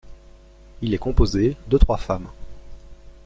Il est composé de trois femmes.